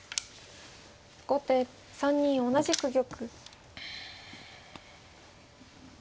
後手３二同じく玉。